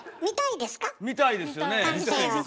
見たいですよ。